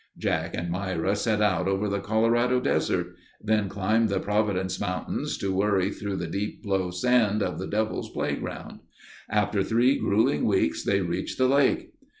Jack and Myra set out over the Colorado Desert; then climbed the Providence Mountains to worry through the deep blow sand of the Devil's Playground. After three gruelling weeks they reached the lake.